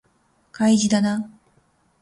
開示だな